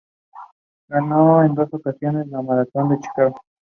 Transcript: Ganó en dos ocasiones la maratón de Chicago.